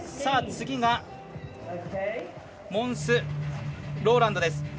次がモンス・ローランドです。